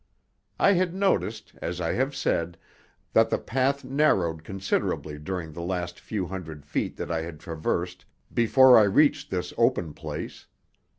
I had noticed, as I have said, that the path narrowed considerably during the last few hundred feet that I had traversed before I reached this open place.